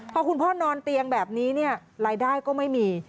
พอคุณพ่อนอนเตียงแบบนี้เนี่ยรายได้ก็ไม่มี